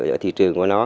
ở thị trường của nó